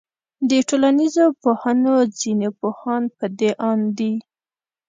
د ټولنيزو پوهنو ځيني پوهان پدې آند دي